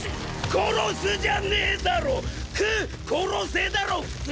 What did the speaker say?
「殺す」じゃねえだろ「く殺せ」だろ普通！